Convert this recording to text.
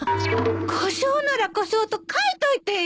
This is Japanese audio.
故障なら故障と書いといてよ！